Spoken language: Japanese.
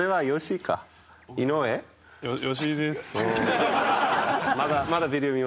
吉井です。